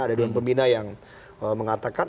ada dewan pembina yang mengatakan